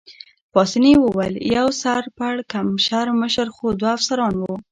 پاسیني وویل: یوه سر پړکمشر مشر خو دوه افسران وو.